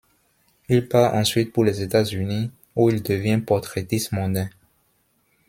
Il part ensuite pour les États-Unis où il devient portraitiste mondain.